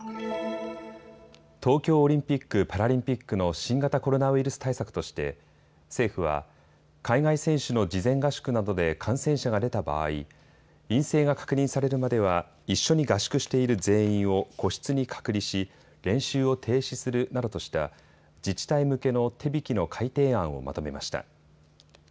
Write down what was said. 東京オリンピック・パラリンピックの新型コロナウイルス対策として政府は海外選手の事前合宿などで感染者が出た場合、陰性が確認されるまでは一緒に合宿している全員を個室に隔離し、練習を停止するなどとした自治体向けの手引の改訂案をまとめました。